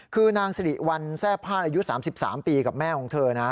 คือนางสิริวัลแซ่พาดอายุ๓๓ปีกับแม่ของเธอนะ